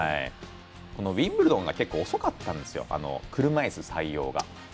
ウィンブルドン遅かったんですよ車いすの採用が。